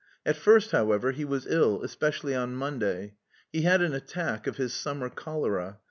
At first, however, he was ill, especially on Monday. He had an attack of his summer cholera.